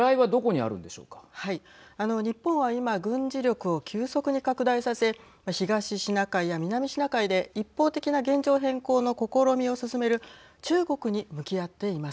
あの、日本は今軍事力を急速に拡大させ東シナ海や南シナ海で一方的な現状変更の試みを進めるはい。